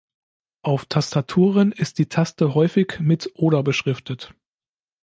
Auf Tastaturen ist die Taste häufig mit oder beschriftet.